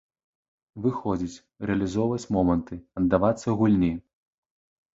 Выходзіць, рэалізоўваць моманты, аддавацца гульні.